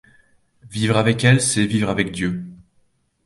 Vivre avec elle, c'est vivre avec Dieu.